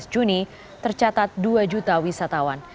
juni tercatat dua juta wisatawan